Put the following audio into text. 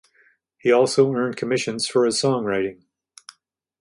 He also earned commissions for his songwriting.